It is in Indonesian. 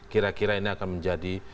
kira kira ini akan menjadi